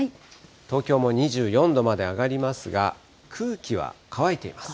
東京も２４度まで上がりますが、空気は乾いています。